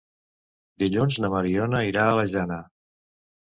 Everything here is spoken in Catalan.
Dilluns na Mariona irà a la Jana.